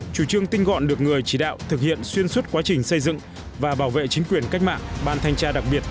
chủ trương tinh gọn được người chỉ đạo thực hiện xuyên suốt quá trình xây dựng và bảo vệ chính quyền cách mạng ban thanh tra đặc biệt